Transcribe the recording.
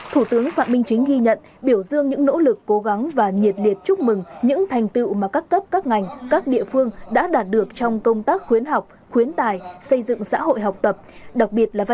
thủ tướng phạm minh chính ghi nhận biểu dương những nỗ lực cố gắng và nhiệt liệt chúc mừng những thành tựu mà các cấp các ngành các địa phương đã đạt được trong công tác khuyến học khuyến tài xây dựng xã hội học tập